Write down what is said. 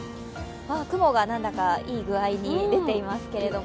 雲がなんだか、いい具合に出ていますけれども。